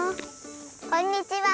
こんにちは！